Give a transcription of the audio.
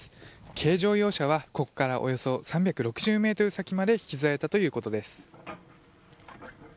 軽乗用車はここからおよそ３６０ｍ先まで引きずられたということです。